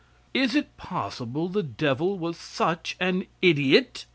Is it possible the devil was such an idiot?